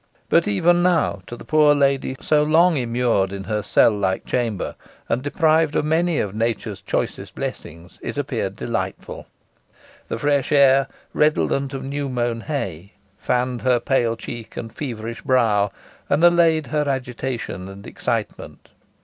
But even now to the poor lady, so long immured in her cell like chamber, and deprived of many of nature's choicest blessings, it appeared delightful. The fresh air, redolent of new mown hay, fanned her pale cheek and feverish brow, and allayed her agitation and excitement.